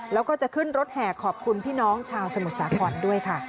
แล้วก็จะขึ้นรถแห่ขอบคุณพี่น้องชาวสมุทรสาครด้วยค่ะ